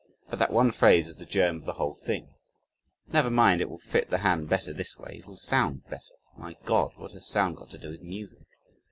But that one phrase is the germ of the whole thing. "Never mind, it will fit the hand better this way it will sound better." My God! what has sound got to do with music!